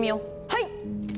はい！